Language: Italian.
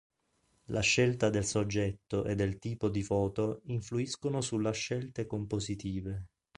La scelta del soggetto e del tipo di foto influiscono sulla scelte compositive.